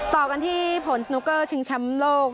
ต่อกันที่ผลสนุกเกอร์ชิงแชมป์โลก